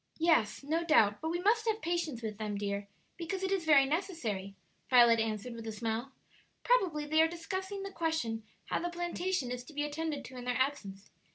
"Yes, no doubt; but we must have patience with them, dear, because it is very necessary," Violet answered, with a smile. "Probably they are discussing the question how the plantation is to be attended to in their absence.